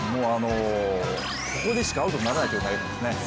ここでしかアウトにならないという投げ方ですね。